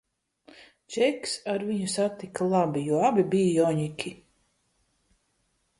Džeks ar viņu satika labi, jo abi bija joņiki.